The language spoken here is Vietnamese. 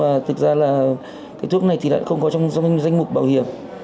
và thực ra là cái thuốc này thì lại không có trong danh mục bảo hiểm